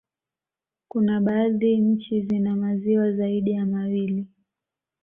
Kuna baadhi nchi zina maziwa zaidi ya mawili